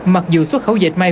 mặc dù xuất khẩu dệt may